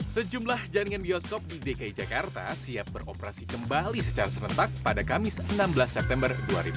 sejumlah jaringan bioskop di dki jakarta siap beroperasi kembali secara serentak pada kamis enam belas september dua ribu dua puluh